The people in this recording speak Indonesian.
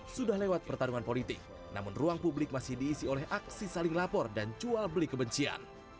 sudah lewat pertarungan politik namun ruang publik masih diisi oleh aksi saling lapor dan jual beli kebencian